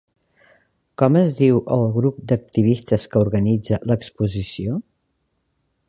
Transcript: Com es diu el grup d'activistes que organitza l'exposició?